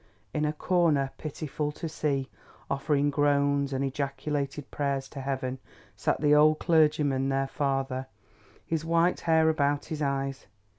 In a corner, pitiful to see, offering groans and ejaculated prayers to heaven, sat the old clergymen, their father, his white hair about his eyes.